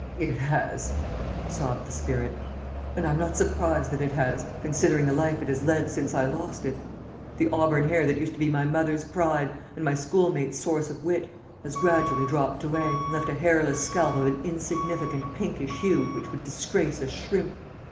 "It has," sobbed the spirit; "and I'm not surprised that it has, considering the life it has led since I lost it. The auburn hair that used to be my mother's pride, and my schoolmates' source of wit, has gradually dropped away and left a hairless scalp of an insignificant pinkish hue which would disgrace a shrimp.